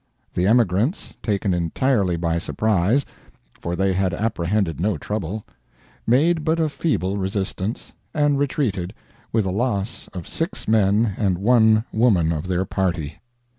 The emigrants, taken entirely by surprise—for they had apprehended no trouble—made but a feeble resistance, and retreated, with a loss of six men and one woman of their party.